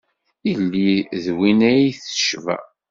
Yelli d win ay tecba.